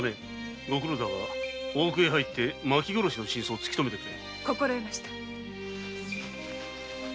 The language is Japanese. ご苦労だが大奥へ入って麻紀殺しの真相を突きとめてくれ。